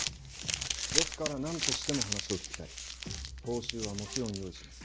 ですから何としても話を聞きたい報酬はもちろん用意します。